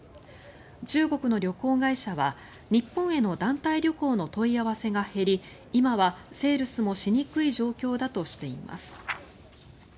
中国の旅行会社は日本への団体旅行の問い合わせが減り今はセールスもしにくい状況だとしています。